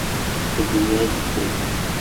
په دنيا کې خو